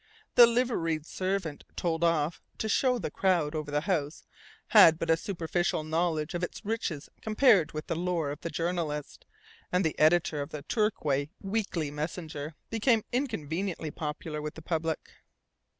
The liveried servant told off to show the crowd over the house had but a superficial knowledge of its riches compared with the lore of the journalist; and the editor of the Torquay Weekly Messenger became inconveniently popular with the public.